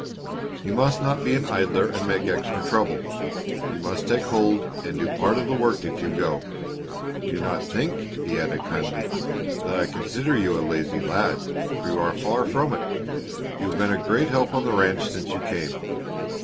You must not be an idler and make extra trouble. You must take hold and do part of the work if you go. Do not think," he added kindly, "that I consider you a lazy lad, for you are far from it. You have been a great help on the ranch since you came.